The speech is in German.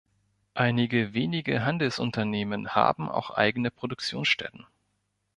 Einige wenige Handelsunternehmen haben auch eigene Produktionsstätten.